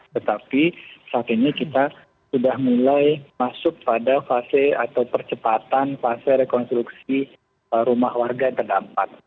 tetapi saat ini kita sudah mulai masuk pada fase atau percepatan fase rekonstruksi rumah warga yang terdampak